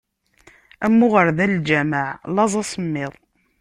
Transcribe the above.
Am uɣerda n lǧameɛ: laẓ, asemmiḍ.